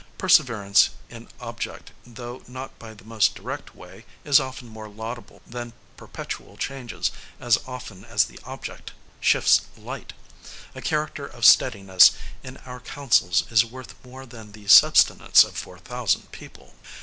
Perseverance in object, though not by the most direct way, is often more laudable than perpetual changes, as often as the object shifts light. A character of steadiness in our councils is worth more than the subsistence of four thousand people.